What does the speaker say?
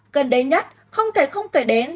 gần đấy nhất không thể không kể đến